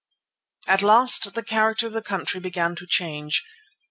At last the character of the country began to change.